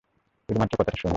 শুধুমাত্র কথাটা শুনুন।